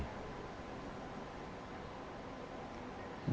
dari masukan masukan yang kita terima